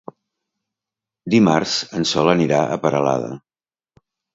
Dimarts en Sol anirà a Peralada.